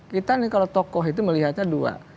kita nih kalau tokoh itu melihatnya dua